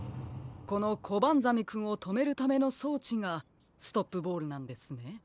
このコバンザメくんをとめるためのそうちがストップボールなんですね。